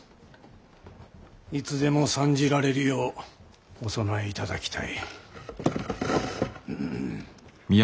いつでも参じられるようお備えいただきたい。